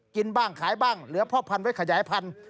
กินบ้างขายบ้างเหลือพ่อพันธุไว้ขยายพันธุ